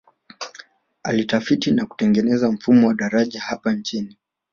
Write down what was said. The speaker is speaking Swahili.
Alitafiti na kutengeneza mfumo wa madaraja hapa nchini